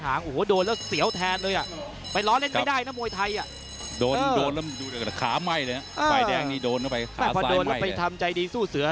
โหโหโหดูแล้วเสียวแทนเลย